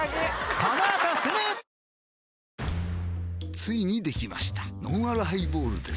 ついにできましたのんあるハイボールです